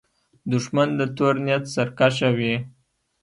دښمن د تور نیت سرکښه وي